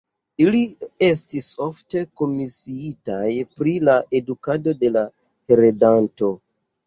Ili estis ofte komisiitaj pri la edukado de la heredanto.